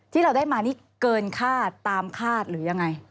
ที่เราได้มานี่เกินคาดตามคาดหรือยังไง